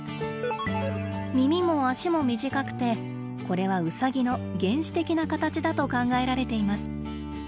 耳も脚も短くてこれはウサギの原始的な形だと考えられています。